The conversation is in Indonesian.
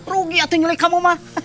rugi atau menyulik kamu ma